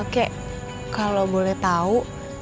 kek kalau boleh tahu